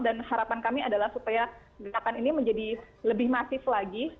dan harapan kami adalah supaya gengkapan ini menjadi lebih masif lagi